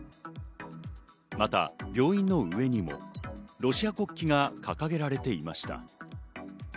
また病院の上にもロシア国旗が掲げられていました。